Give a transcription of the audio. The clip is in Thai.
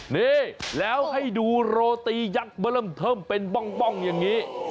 นี่แล้วให้ดูโรตียักษ์มาเริ่มเทิมเป็นบ้องอย่างนี้